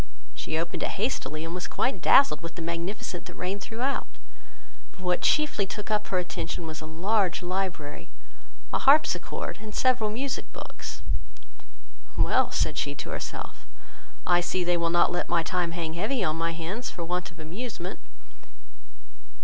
She opened it hastily, and was quite dazzled with the magnificence that reigned throughout; but what chiefly took up her attention, was a large library, a harpsichord, and several music books. "Well, (said she to herself,) I see they will not let my time hang heavy on my hands for want of amusement."